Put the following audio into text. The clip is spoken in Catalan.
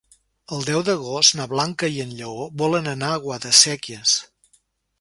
El deu d'agost na Blanca i en Lleó volen anar a Guadasséquies.